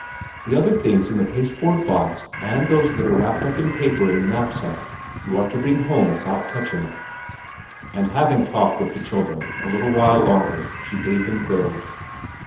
The other things in the pasteboard box and those that are wrapped up in paper in the knapsack you are to bring home without touching." After having talked with the children a little while longer she bade them go.